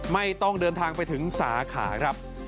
ไม่ต้องเดินทางไปถึงสาขาครับ